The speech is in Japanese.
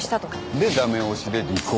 で駄目押しで離婚。